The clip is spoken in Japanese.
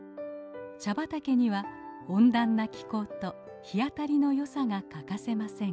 茶畑には温暖な気候と日当たりの良さが欠かせません。